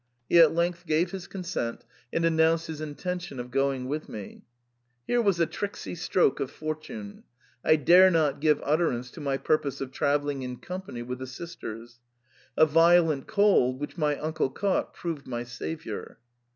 He at length gave his consent, and an nounced his intention of going with me. Here was a tricksy stroke of fortune ! I dare not give utterance to my purpose of travelling in company with the sis ters. A violent cold, which my uncle caught, proved my saviour.